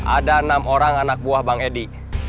ada enam orang anak buah bang edi